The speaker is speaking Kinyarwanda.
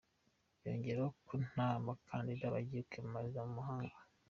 Yongeraho ko nta bakandida bagiye kwiyamamaza mu mahanga.